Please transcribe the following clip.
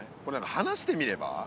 離してみれば？